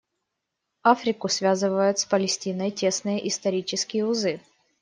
Африку связывают с Палестиной тесные исторические узы.